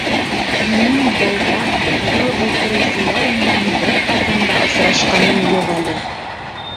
— Һинең долдар — ҡыҙыл үлтереүселәр менән бер ҡасан да осрашҡаның юҡ әле.